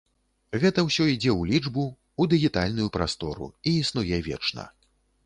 Гэта ўсё ідзе ў лічбу, у дыгітальную прастору, і існуе вечна.